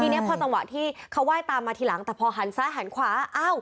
ทีนี้พอจังหวะที่เขาไหว้ตามมาทีหลังแต่พอหันซ้ายหันขวาอ้าว